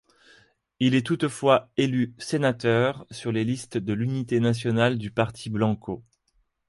Il est toutefois élu sénateur sur les listes de l'Unité nationale du Parti blanco.